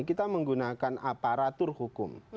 kita menggunakan aparatur hukum